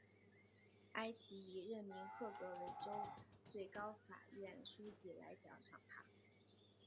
埃奇以任命赫格为州最高法院书记来奖赏他。